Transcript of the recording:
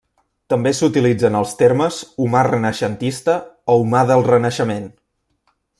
També s'utilitzen els termes humà renaixentista o humà del Renaixement.